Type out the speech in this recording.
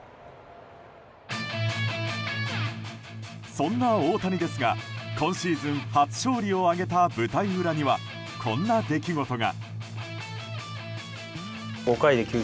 そんな大谷ですが今シーズン初勝利を挙げた舞台裏にはこんな出来事が。